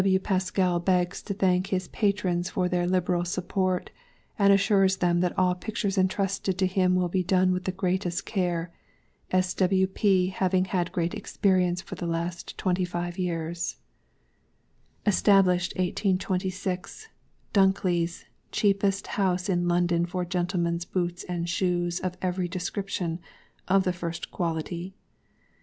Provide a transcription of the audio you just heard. S. W. PASKELL begs to thank his Patrons for their liberal support, and assures them that all Pictures entrusted to him will be done with the greatest care, S. W. P. having had great experience for the last 25 years. ESTABLISHED 1826. DUNKLEYŌĆÖS Cheapest House in London for GENTLEMENSŌĆÖ BOOTS & SHOES, OF EVERY DESCRIPTION, OF THE FIRST QUALITY.